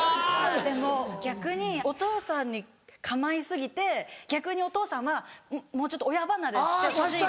でも逆にお父さんに構い過ぎて逆にお父さんはもうちょっと親離れしてほしいみたいな。